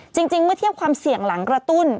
จริงเมื่อเทียบความเสี่ยงหลังกระตุ้น